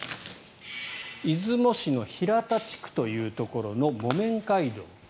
出雲市の平田地区というところの木綿街道。